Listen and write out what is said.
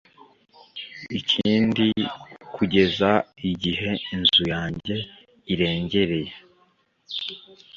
ikindi kugeza igihe inzu yanjye irengereye